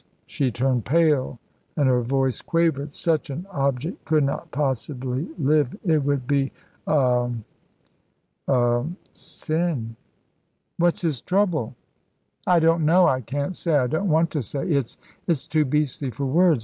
She turned pale, and her voice quavered. "Such an object could not possibly live. It would be a a sin." "What's his trouble?" "I don't know I can't say. I don't want to say. It's it's too beastly for words.